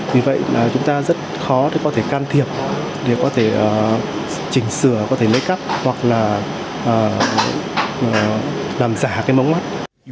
vì vậy chúng ta rất khó để có thể can thiệp để có thể chỉnh sửa có thể lấy cắp hoặc là làm giả cái mống mắt